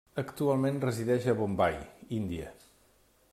Actualment resideix a Bombai, Índia.